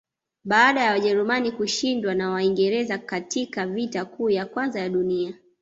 Baada ya Wajerumani kushindwa na Waingereza katika Vita Kuu ya Kwanza ya dunia